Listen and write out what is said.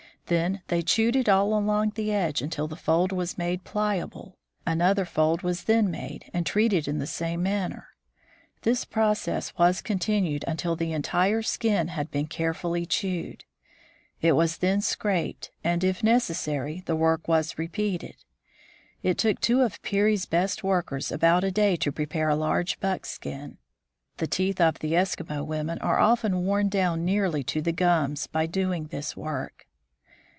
Then they chewed it all along the edge until the fold was made pliable. Another fold was then made, and treated in the same manner. This process was continued until the entire skin had been carefully chewed. It was then scraped, and if necessary, the work was repeated. It took two of Peary's best workers about a day to prepare a large buckskin. The teeth of the Eskimo women are often worn down nearly to the gums by doing this work.